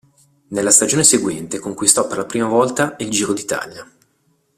Nella stagione seguente conquistò per la prima volta il Giro d'Italia.